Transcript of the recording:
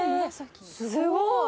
すごい。